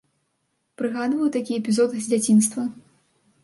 Прыгадваю такі эпізод з дзяцінства.